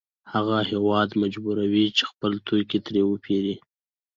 هغه هېواد مجبوروي چې خپل توکي ترې وپېري